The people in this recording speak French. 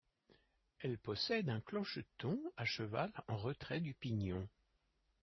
Elle possède un clocheton à cheval en retrait du pignon.